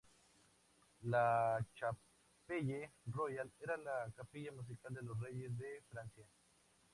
La "Chapelle royale" era la capilla musical de los reyes de Francia.